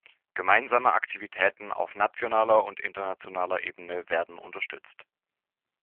Gemeinsame Aktivitäten auf nationaler und internationaler Ebene werden unterstützt.